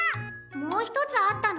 もうひとつあったの？